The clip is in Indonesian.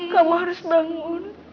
kamu harus bangun